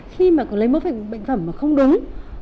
khi mà lấy mẫu bệnh phẩm mà không đúng